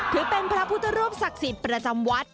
ถือเป็นพระพุทธรูปศักดิ์สิทธิ์ประจำวัด